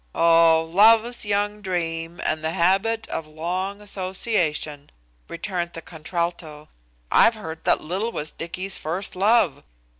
"Oh! love's young dream, and the habit of long association," returned the contralto. I've heard that Lil was Dicky's first love.